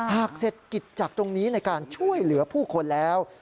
เศรษฐกิจจากตรงนี้ในการช่วยเหลือผู้คนแล้ว